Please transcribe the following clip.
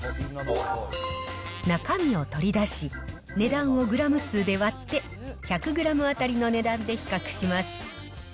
中身を取り出し、値段をグラム数で割って、１００グラム当たりの値段で比較します。